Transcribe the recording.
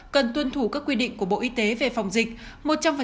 cần tuân thủ các quy định của bộ y tế về phòng dịch